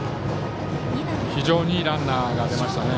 非常にいいランナーが出ましたね。